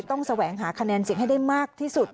แสวงหาคะแนนเสียงให้ได้มากที่สุด